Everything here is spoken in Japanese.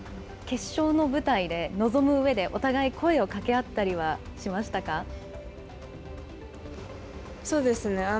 決勝の舞台で臨むうえで、お互い、声を掛け合ったりはしましそうですね。